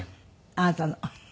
あなたの。